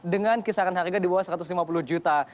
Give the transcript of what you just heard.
dengan kisaran harga di bawah satu ratus lima puluh juta